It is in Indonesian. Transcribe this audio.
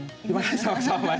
terima kasih sama sama